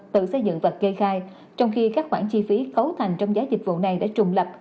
từ xây dựng vật gây khai trong khi các khoản chi phí cấu thành trong giá dịch vụ này đã trùng lập